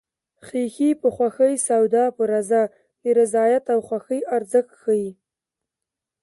خیښي په خوښي سودا په رضا د رضایت او خوښۍ ارزښت ښيي